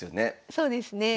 そうですね。